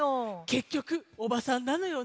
けっきょくおばさんなのよね。